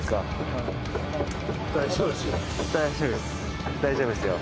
はい大丈夫ですよ